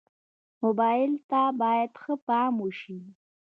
موبایل ته باید ښه پام وشي.